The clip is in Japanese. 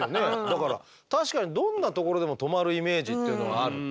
だから確かにどんなところでも止まるイメージっていうのがあるっていうね。